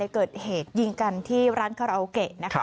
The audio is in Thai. เกิดเหตุยิงกันที่ร้านคราวเกะ